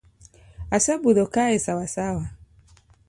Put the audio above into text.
Asebudho kae sawa sawa.